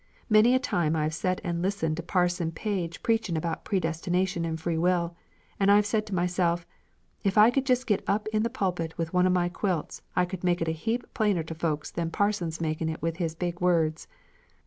Many a time I've set and listened to Parson Page preachin' about predestination and free will, and I've said to myself, 'If I could jest git up in the pulpit with one of my quilts I could make it a heap plainer to folks than parson's makin' it with his big words.'